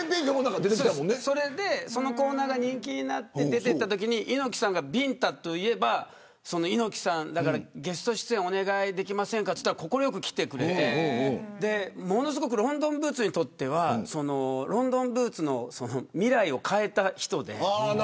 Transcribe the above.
そのコーナーが人気になって出ていったときに猪木さんが、ビンタといえば猪木さんだからゲスト出演お願いできませんかと言ったら快く来てくれて、ものすごくロンドンブーツにとってロンドンブーツの未来を変えた人で。